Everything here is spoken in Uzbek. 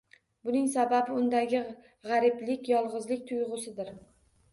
Buning sababi undagi g'ariblik, yolg'izlik tuyg'usidir.